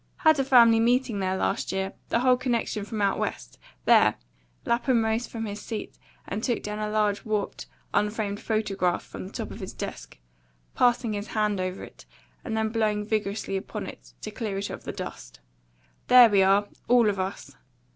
Had a family meeting there last year; the whole connection from out West. There!" Lapham rose from his seat and took down a large warped, unframed photograph from the top of his desk, passing his hand over it, and then blowing vigorously upon it, to clear it of the dust. "There we are, ALL of us."